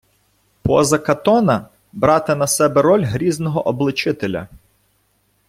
Поза Катона— брати на себе роль грізного обличителя